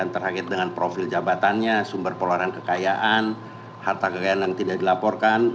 terkait dengan profil jabatannya sumber penularan kekayaan harta kekayaan yang tidak dilaporkan